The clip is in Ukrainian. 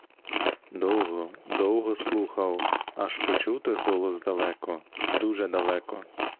Довго, довго слухав, аж почув той голос далеко, дуже далеко.